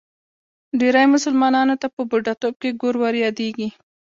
ډېری مسلمانانو ته په بوډاتوب کې ګور وریادېږي.